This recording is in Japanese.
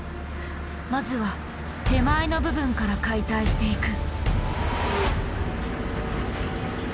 まずは手前の部分から解体していく。